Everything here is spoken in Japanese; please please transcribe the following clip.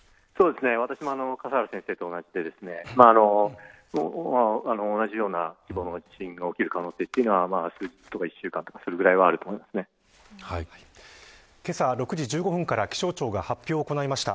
私も笠原先生と同じで同じような規模の地震が起きる可能性というのは１週間とか、それぐらいはけさ６時１５分から気象庁が発表を行いました。